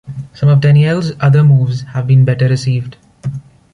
Some of Daniels' other moves have been better received.